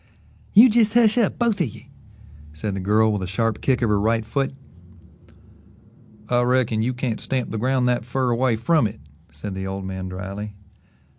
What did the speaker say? "You jes' hush up both of ye," said the girl with a sharp kick of her right foot. "I reckon you can't stamp the ground that fer away from it," said the old man dryly.